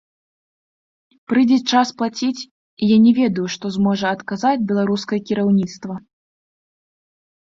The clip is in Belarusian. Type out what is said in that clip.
Прыйдзе час плаціць, і я не ведаю, што зможа адказаць беларускае кіраўніцтва.